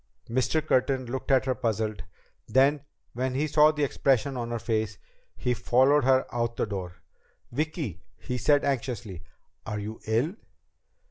Mr. Curtin looked at her, puzzled. Then, when he saw the expression on her face, he followed her out the door. "Vicki," he said anxiously, "are you ill?"